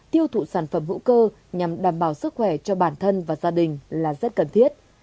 tiêu thụ sản phẩm hữu cơ nhằm đảm bảo sức khỏe cho bản thân và gia đình là rất cần thiết